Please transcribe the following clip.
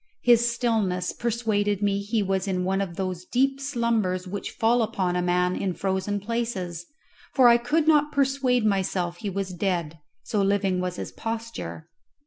His stillness persuaded me he was in one of those deep slumbers which fall upon a man in frozen places, for I could not persuade myself he was dead, so living was his posture.